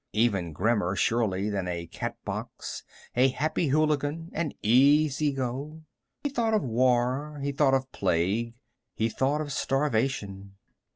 Even grimmer, surely, than a Catbox, a Happy Hooligan, an Easy Go. He thought of war. He thought of plague. He thought of starvation.